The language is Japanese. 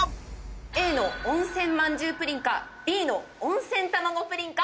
Ａの温泉まんじゅうプリンかＢの温泉玉子プリンか。